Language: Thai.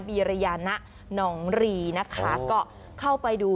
ีรยานะหนองรีนะคะก็เข้าไปดู